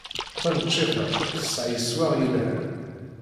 Taneččit-a tesɛa iswaɣ yelhan.